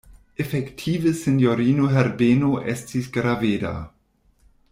Efektive sinjorino Herbeno estis graveda.